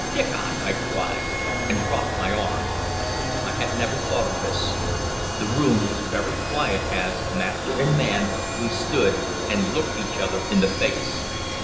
"Diccon!" I cried, and dropped my arm. I had never thought of this. The room was very quiet as, master and man, we stood and looked each other in the face.